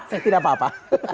saya tidak apa apa